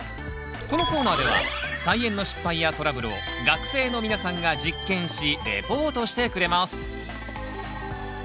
このコーナーでは菜園の失敗やトラブルを学生の皆さんが実験しレポートしてくれます。